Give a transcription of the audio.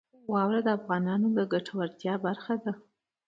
واوره د افغانانو د ګټورتیا برخه ده.